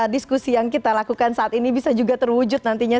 diskusi yang kita lakukan saat ini bisa juga terwujud nantinya